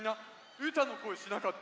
うーたんのこえしなかった？